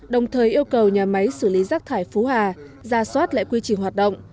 đồng thời yêu cầu nhà máy xử lý rác thải phú hà ra soát lại quy trình hoạt động